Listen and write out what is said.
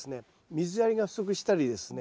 水やりが不足したりですね